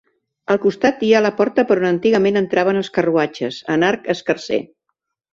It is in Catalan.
Al costat hi ha la porta per on antigament entraven els carruatges, en arc escarser.